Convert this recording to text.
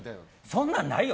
そんなんないよ。